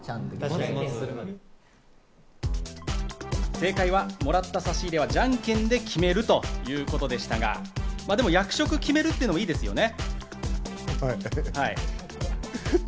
正解は、もらった差し入れはじゃんけんで決めるということでしたが、役職を決めるというのもいいですよね。